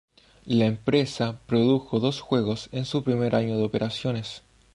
La empresa produjo dos juegos en su primer año de operaciones.